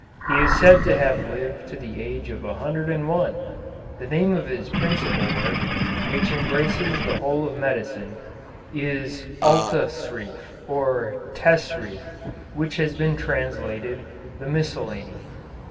He is said to have lived to the age of 101. The name of his principal work, which embraces the whole of medicine, is "Altasrif," or "Tesrif," which has been translated "The Miscellany."